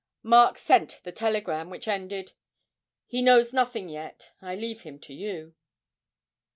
Mark sent the telegram, which ended, 'He knows nothing as yet. I leave him to you.'